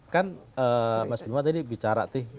kan mas budiman tadi bicara